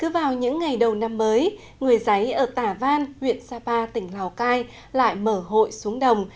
vào những ngày đầu năm mới người giấy ở tả văn huyện sapa tỉnh lào cai lại mở hội xuống đồng